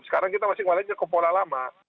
sekarang kita masih kembali ke pola lama